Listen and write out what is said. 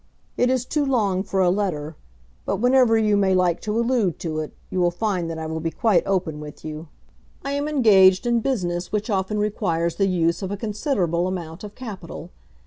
It is too long for a letter, but whenever you may like to allude to it, you will find that I will be quite open with you. I am engaged in business which often requires the use of a considerable amount of capital.